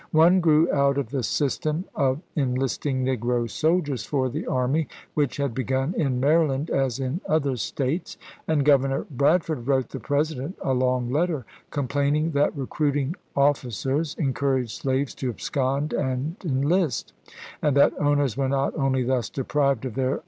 One grew out of the system of enlisting negro soldiers for the army, which had begun in Maryland as in other States ; and Governor Bradford wrote the Presi dent a long letter, complaining that recruiting offi cers encouraged slaves to abscond and enlist, and that owners were not only thus deprived of their 460 ABRAHAM LINCOLN Chap. XIX.